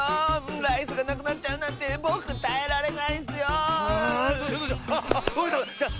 ライスがなくなっちゃうなんてぼくたえられないッスよ！